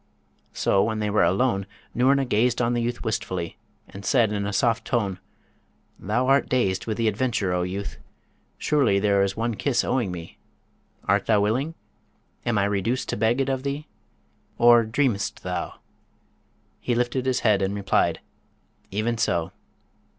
So when they were alone Noorna gazed on the youth wistfully, and said in a soft tone, 'Thou art dazed with the adventure, O youth! Surely there is one kiss owing me: art thou willing? Am I reduced to beg it of thee? Or dream'st thou?' He lifted his head and replied, 'Even so.'